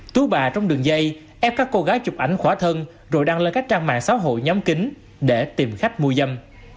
tú bà trong đường dây ép các cô gái chụp ảnh khỏa thân rồi đăng lên các trang mạng xã hội nhắm kính để tìm khách mô giâm